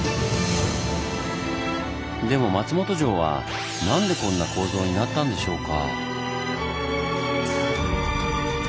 でも松本城はなんでこんな構造になったんでしょうか？